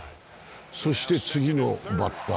そして次のバッター。